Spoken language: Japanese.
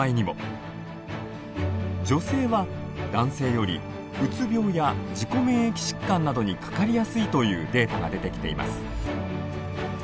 女性は男性よりうつ病や自己免疫疾患などにかかりやすいというデータが出てきています。